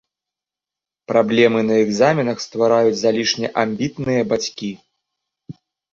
Праблемы на экзаменах ствараюць залішне амбітныя бацькі.